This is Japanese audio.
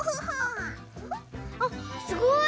あっすごい！